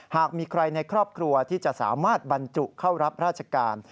หากมีใครในครอบครัวที่จะสามารถบรรจุเข้ารับราชการ